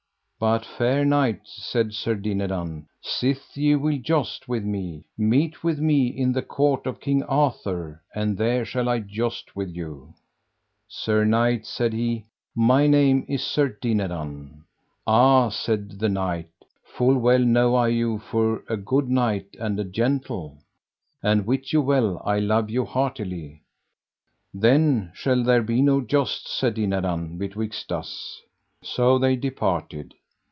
But, fair knight, said Sir Dinadan, sith ye will joust with me, meet with me in the court of King Arthur, and there shall I joust with you. Well, said the knight, sith ye will not joust with me, I pray you tell me your name. Sir knight, said he, my name is Sir Dinadan. Ah, said the knight, full well know I you for a good knight and a gentle, and wit you well I love you heartily. Then shall there be no jousts, said Dinadan, betwixt us. So they departed.